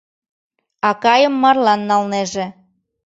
Акайым марлан налнеже.